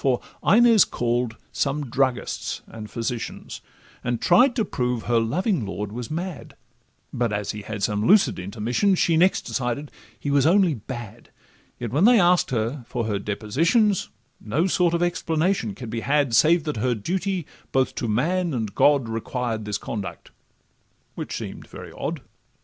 For Inez call'd some druggists and physicians, And tried to prove her loving lord was mad; But as he had some lucid intermissions, She next decided he was only bad; Yet when they ask'd her for her depositions, No sort of explanation could be had, Save that her duty both to man and God Required this conduct—which seem'd very odd.